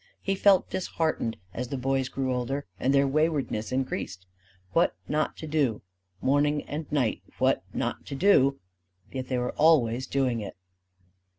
He felt disheartened as the boys grew older and their waywardness increased. What not to do morning and night what not to do. Yet they were always doing it.